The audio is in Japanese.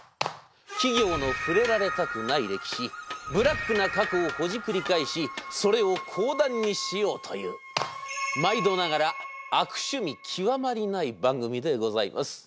企業の触れられたくない歴史ブラックな過去をほじくり返しそれを講談にしようという毎度ながら悪趣味極まりない番組でございます。